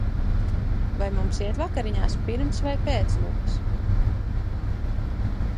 Vai mums iet vakariņās pirms vai pēc lugas?